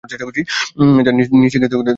যা, নীচে গিয়ে দেখ সবাই প্রস্তুত কি-না।